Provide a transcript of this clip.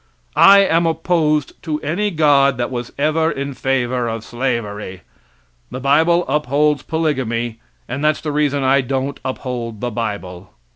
I am opposed to any God that was ever in favor of slavery. The bible upholds polygamy, and that's the reason I don't uphold the bible.